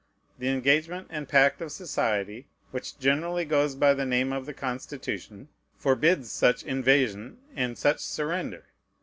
The engagement and pact of society, which generally goes by the name of the Constitution, forbids such invasion and such surrender.